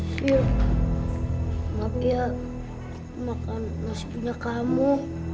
syuk maka dia makan nasi kunyit kamu